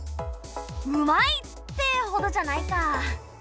うまい！ってほどじゃないか。